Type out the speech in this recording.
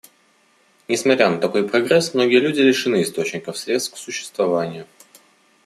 Несмотря на такой прогресс, многие люди лишены источников средств к существованию.